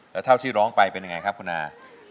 แล้วเท่าที่ร้องไปเป็นยังไงครับคุณอา